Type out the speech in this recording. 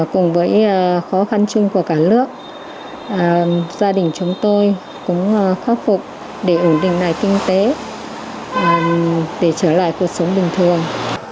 cùng với khó khăn chung của cả nước gia đình chúng tôi cũng khắc phục để ổn định lại kinh tế để trở lại cuộc sống bình thường